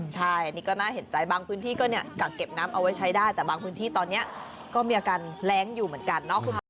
ใช่นี่ก็น่าเห็นใจบางพื้นที่ก็เนี่ยกักเก็บน้ำเอาไว้ใช้ได้แต่บางพื้นที่ตอนนี้ก็มีอาการแร้งอยู่เหมือนกันเนาะคุณผู้ชม